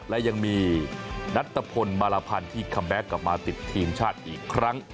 และยังมีนัตตะพลมารพันธ์ที่คัมแบ็คกลับมาติดทีมชาติอีกครั้ง